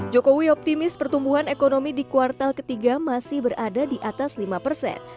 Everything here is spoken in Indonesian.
jokowi optimis pertumbuhan ekonomi di kuartal ketiga masih berada di atas lima persen